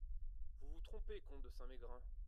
Vous vous trompez, comte de Saint-Mégrin.